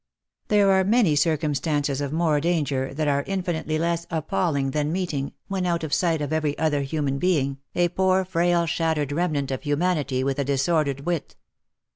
There are many circumstances of more danger, that are infinitely less appalling than meeting, when out of sight of every other human being, a poor frail shattered remnant of humanity with a disordered wit.